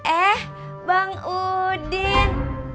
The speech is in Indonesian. eh bang udin